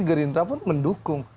gerindra pun mendukung